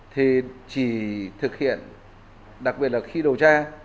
thì chỉ thực hiện đặc biệt là khi điều tra